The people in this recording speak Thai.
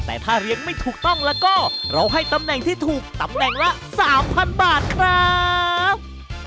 แต่ถ้าเลี้ยงไม่ถูกต้องแล้วก็เราให้ตำแหน่งที่ถูกตำแหน่งละ๓๐๐บาทครับ